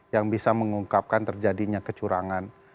yang bisa mengungkapkan terjadinya kecurangan